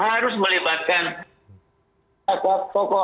harus melibatkan tokoh agama genial dan juga artis kalau perlu